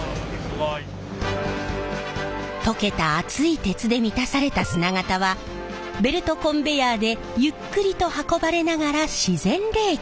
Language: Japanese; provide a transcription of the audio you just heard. すごい。溶けた熱い鉄で満たされた砂型はベルトコンベヤーでゆっくりと運ばれながら自然冷却。